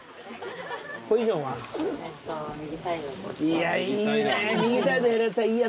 いやいいね。